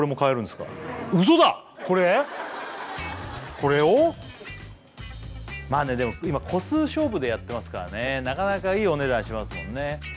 これをまあねでも今個数勝負でやってますからねなかなかいいお値段しますもんね